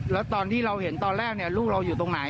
แล้วตอนที่เราเห็นตอนแรกลูกเราอยู่ตรงไหน